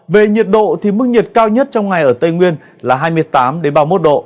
về nhiệt độ thì mức nhiệt cao nhất trong ngày ở tây nguyên là hai mươi tám ba mươi một độ